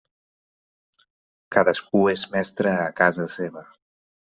Cadascú és mestre a casa seva.